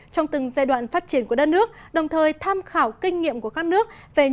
trong từng giai đoạn phát triển của đất nước đồng thời tham khảo kinh nghiệm của các nước